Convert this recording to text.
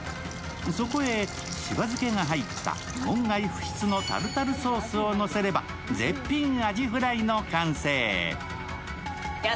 そこへしば漬けが入った門外不出のタルタルソースをのせれば絶品アジフライの完成。